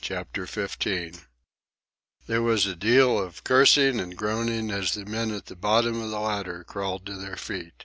CHAPTER XV There was a deal of cursing and groaning as the men at the bottom of the ladder crawled to their feet.